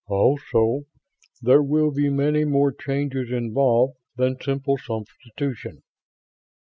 Also, there will be many more changes involved than simple substitution."